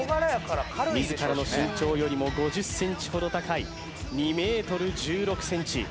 自らの身長よりも５０ｃｍほど高い２ｍ１６ｃｍ